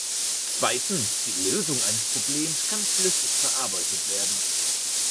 Zweitens, die Lösung eines Problems kann flüssig verarbeitet werden.